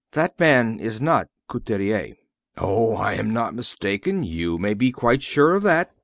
"That man is not Couturier." "Oh, I'm not mistaken; you may be quite sure of that.